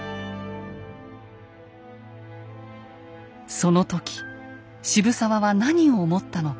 その時渋沢は何を思ったのか。